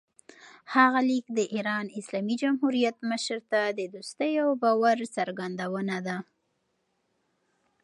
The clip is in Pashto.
هغه لیک د ایران اسلامي جمهوریت مشر ته د دوستۍ او باور څرګندونه ده.